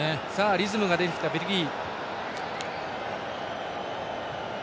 リズムが出てきたベルギー。